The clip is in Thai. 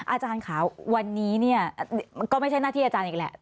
อาจารย์ค่ะวันนี้เนี่ยก็ไม่ใช่หน้าที่อาจารย์อีกแหละ